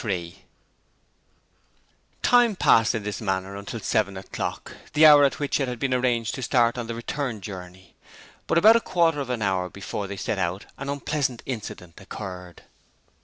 The time passed in this manner until seven o'clock, the hour at which it had been arranged to start on the return journey; but about a quarter of an hour before they set out an unpleasant incident occurred.